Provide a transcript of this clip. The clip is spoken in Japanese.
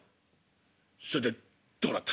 「それでどうなった？」。